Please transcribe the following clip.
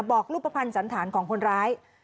บอกรูปภัณฑ์สันธารของคนร้าย